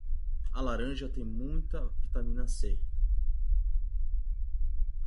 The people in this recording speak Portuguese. A laranja tem muita vitamina C.